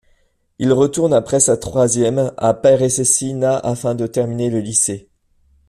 Il retourne après sa troisième à Peresecina afin de terminer le lycée.